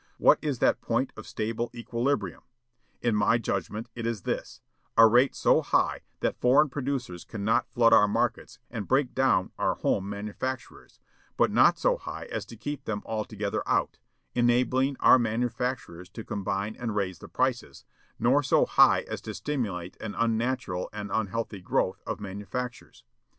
What is that point of stable equilibrium? In my judgment, it is this; a rate so high that foreign producers cannot flood our markets and break down our home manufacturers, but not so high as to keep them altogether out, enabling our manufacturers to combine and raise the prices, nor so high as to stimulate an unnatural and unhealthy growth of manufactures.